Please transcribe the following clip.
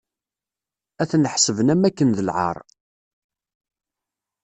Ad ten-ḥesben am wakken d lɛar.